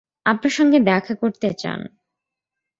আপনার সঙ্গে দেখা করতে চান।